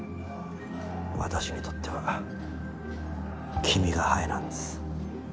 私にとっては君がハエなんです。